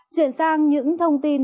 chuyển sang những thông tin